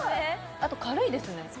あと軽いですね